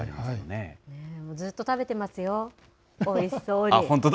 ずっと食べてますよ、おいし本当だ。